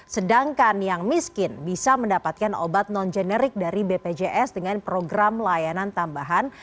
sedangkan yang miskin bisa mendapatkan obat non generik dari bpjs dengan program layanan tambahan